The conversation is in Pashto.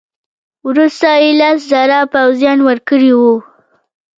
وروسته یې لس زره پوځیان ورکړي وه.